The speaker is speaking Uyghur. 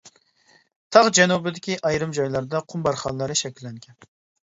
تاغ جەنۇبىدىكى ئايرىم جايلاردا قۇم بارخانلىرى شەكىللەنگەن.